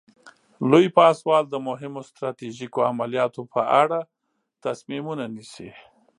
لوی پاسوال د مهمو ستراتیژیکو عملیاتو په اړه تصمیمونه نیسي.